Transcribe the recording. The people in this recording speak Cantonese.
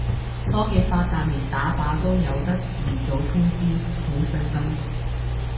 科技發達連打靶都有得預早通知，好細心